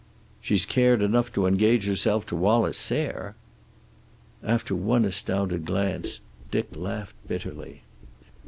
"She's cared enough to engage herself to Wallace Sayre!" After one astounded glance Dick laughed bitterly.